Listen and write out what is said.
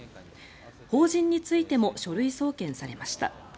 法人についても書類送検されました。